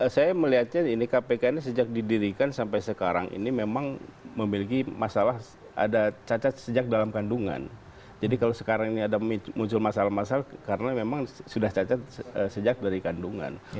saya melihatnya ini kpk ini sejak didirikan sampai sekarang ini memang memiliki masalah ada cacat sejak dalam kandungan jadi kalau sekarang ini ada muncul masalah masalah karena memang sudah cacat sejak dari kandungan